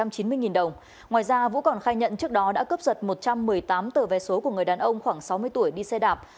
có bảy trăm chín mươi đồng ngoài ra vũ còn khai nhận trước đó đã cấp giật một trăm một mươi tám tờ vé số của người đàn ông khoảng sáu mươi tuổi đi xe đạp